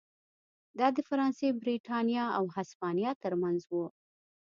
دا د فرانسې، برېټانیا او هسپانیا ترمنځ و.